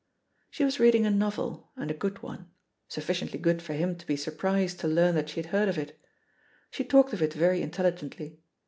She was reading a novel, and a good one — ^suf ficiently good for him to be surprised to learn that she had heard of it. She talked of it very intelligently.